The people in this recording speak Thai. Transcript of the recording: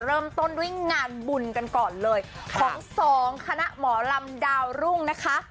เริ่มต้นด้วยงานบุญกันก่อนเลยของสองคณะหมอลำดาวรุ่งนะคะ